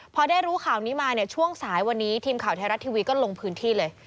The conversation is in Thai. พอได้รู้ข่าวนี้มาเนี่ยช่วงสายวันนี้ทีมข่าวไทยรัฐทีวีก็ลงพื้นที่เลย